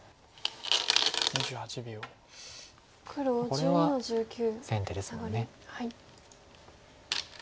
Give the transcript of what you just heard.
これは先手ですもんね。